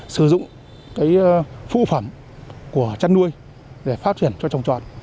sử dụng cái phụ phẩm của chất nuôi để phát triển cho trồng tròn